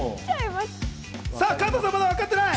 加藤さん、まだ分かってない。